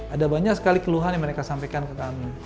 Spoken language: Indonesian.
ada banyak sekali keluhan yang mereka sampaikan ke kami